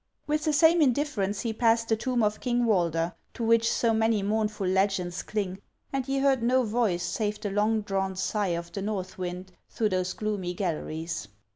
With the same indifference he passed the tomb of King "Walder, to which so many mournful legends cling, and he heard no voice save the long drawn sigh of the north wind through those gloomy galleries.